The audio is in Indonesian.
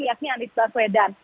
yakni anies baswedan